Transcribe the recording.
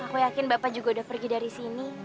aku yakin bapak juga udah pergi dari sini